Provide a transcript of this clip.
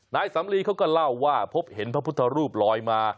นายสำลีเขาก็เล่าว่าพบเห็นพระพุทธรูปลอยมา